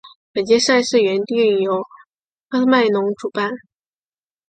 本届赛事原定由喀麦隆主办。